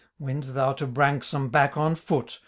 Wend thou to Branksome back on foot.